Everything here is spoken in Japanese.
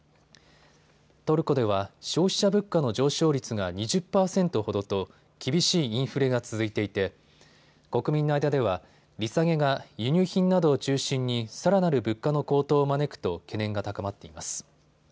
トルコでは消費者物価の上昇率が２０％ほどと厳しいインフレが続いていて国民の間では利下げが輸入品などを中心にさらなる物価の高騰を招くと懸念が高まっています。